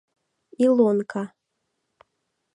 — Илонка!